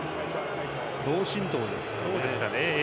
脳震とうですかね。